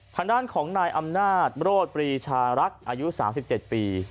ทางด้านของนายอำนาจโรธปรีชารักษ์อายุ๓๗ปี